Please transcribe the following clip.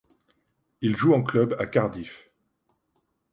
Il joue en club à Cardiff.